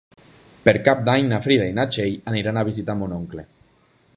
Per Cap d'Any na Frida i na Txell aniran a visitar mon oncle.